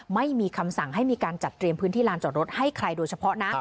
ไม่มีคำสั่งให้มีการจัดเตรียมพื้นที่ลานจอดรถให้ใครโดยเฉพาะนะ